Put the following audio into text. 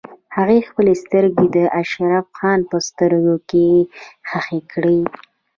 هغې خپلې سترګې د اشرف خان په سترګو کې ښخې کړې.